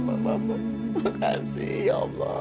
terima kasih ya allah